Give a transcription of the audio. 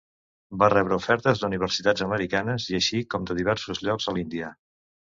Va rebre ofertes d'universitats americanes i així com de diversos llocs a l'Índia.